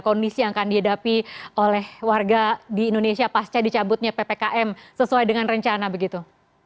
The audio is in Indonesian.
kondisi yang akan dihadapi oleh warga di indonesia pasca dicabutnya ppkm sesuai dengan rencana begitu